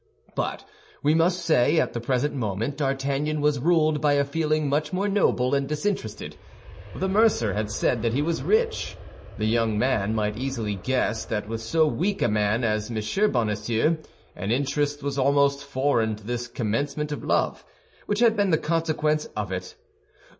But, we must say, at the present moment D'Artagnan was ruled by a feeling much more noble and disinterested. The mercer had said that he was rich; the young man might easily guess that with so weak a man as M. Bonacieux; and interest was almost foreign to this commencement of love, which had been the consequence of it.